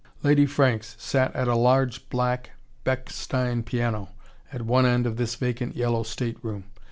Lady Franks sat at a large black Bechstein piano at one end of this vacant yellow state room.